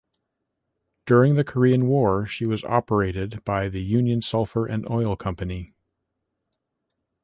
During the Korean War she was operated by the Union Sulphur and Oil Company.